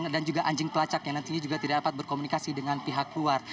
dan juga anjing pelacak yang nantinya juga tidak dapat berkomunikasi dengan pihak luar